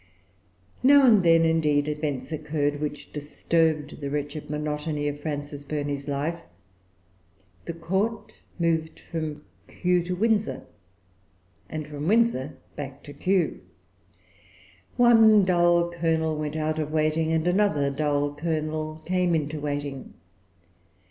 Now and then, indeed, events occurred which disturbed the wretched monotony of Frances Burney's life. The Court moved from Kew to Windsor, and from Windsor back to Kew. One dull colonel went out of waiting, and another dull colonel came into waiting.